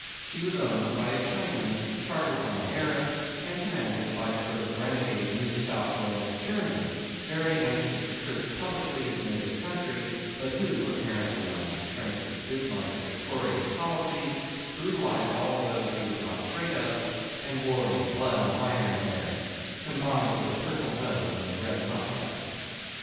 She was owned by a Chinaman, chartered by an Arab, and commanded by a sort of renegade New South Wales German, very anxious to curse publicly his native country, but who, apparently on the strength of Bismarck's victorious policy, brutalised all those he was not afraid of, and wore a 'blood and iron' air,' combined with a purple nose and a red moustache.